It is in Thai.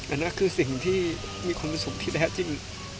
อันนั้นคือสิ่งที่มีความเป็นสุขที่แท้จริง